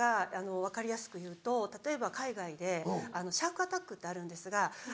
分かりやすく言うと例えば海外でシャークアタックってあるんですが。